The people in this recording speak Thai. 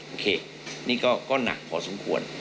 โอเคนี่ก็หนักพอสมควร